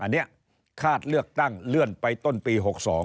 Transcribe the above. อันนี้คาดเลือกตั้งเลื่อนไปต้นปี๖๒